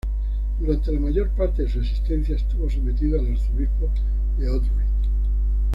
Durante la mayor parte de su existencia, estuvo sometido al arzobispado de Ohrid.